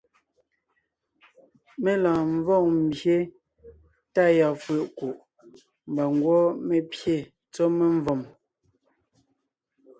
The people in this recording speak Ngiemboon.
Mé lɔɔn ḿvɔg ḿbye tá yɔɔn fʉ̀ʼ ńkuʼ, mbà ńgwɔ́ mé pyé tsɔ́ memvòm.